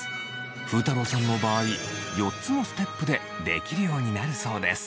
ふうたろうさんの場合４つのステップでできるようになるそうです。